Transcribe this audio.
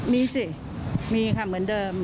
มีสิมีค่ะเหมือนเดิม